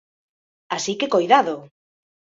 Así que coidado.